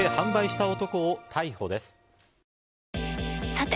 さて！